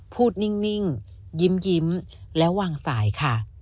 พูดนิ่งยิ้มแล้ววางสายค่ะ